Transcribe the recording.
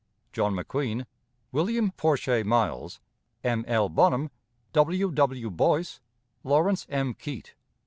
"John McQueen, "William Porcher Miles, "M. L. Bonham, "W. W. Boyce, "Lawrence M. Keitt.